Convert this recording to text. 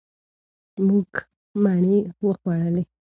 مونږه مڼې وخوړلې.